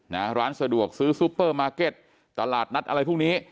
ร้านสะดวกซื้อซูเปอร์มาร์เก็ตตลาดนัดอะไรพวกนี้